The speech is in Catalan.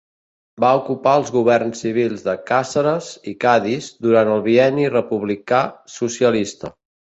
Va ocupar els Governs Civils de Càceres i Cadis durant el bienni republicà-socialista.